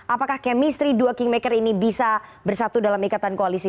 apakah chemistry dua kingmaker ini bisa bersatu dalam ikatan koalisi